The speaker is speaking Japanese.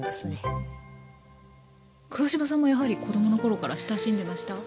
黒島さんもやはり子供の頃から親しんでました？